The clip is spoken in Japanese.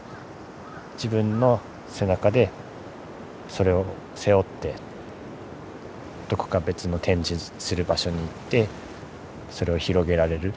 自分の背中でそれを背負ってどこか別の展示する場所に行ってそれを広げられる。